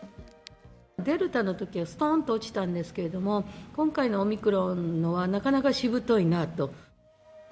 デルタのときはストンと落ちたんですけど、今回のオミクロン株はなかなかしぶといなと。